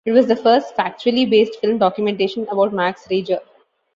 It was the first factually based film documentation about Max Reger.